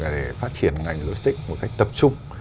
để phát triển ngành logistics một cách tập trung